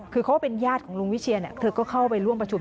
คือเขาก็เป็นญาติของลุงวิเชียเธอก็เข้าไปร่วมประชุม